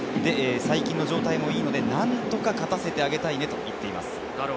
最近の状態もいいのでなんとか勝たせてあげたいねと言っています。